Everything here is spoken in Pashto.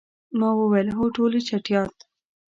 ما وویل، هو، ټولې چټیات.